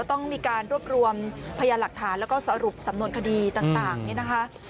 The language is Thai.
ต้องมีการรวบรวมพยานหลักฐานแล้วก็สรุปสำนวนคดีต่างนี่นะคะ